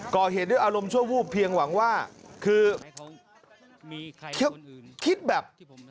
ก่อเหตุด้วยอารมณ์ชั่ววูบเพียงหวังว่าคือคิดแบบ